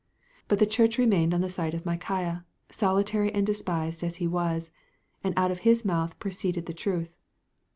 But the Church remained on the side of Micaiah, solitary and despised as he was, and out of his mouth proceeded the truth.